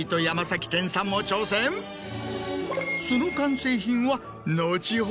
その。